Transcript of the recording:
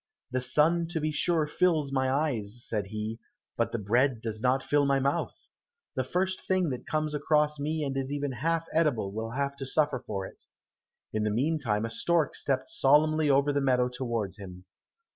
"The sun to be sure fills my eyes," said he, "but the bread does not fill my mouth. The first thing that comes across me and is even half edible will have to suffer for it." In the meantime a stork stepped solemnly over the meadow towards him.